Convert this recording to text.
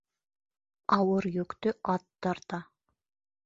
Ауыр йөктө ат тарта